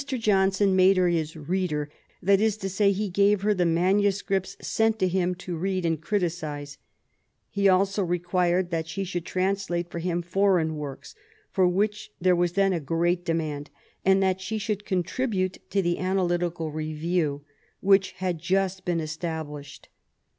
Johnson made her his ^^ reader''; that is to say, he gave her the manuscripts sent to him to read and criticise ; he also required that she should translate for him foreign works, for which there was then a great demand, and that she should contribute to the AfiO' lytical Review y which had just been established.